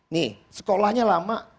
nih sekolahnya lama